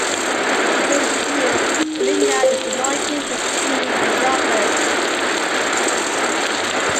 Still in use, the linga is anointed with ghee and yogurt.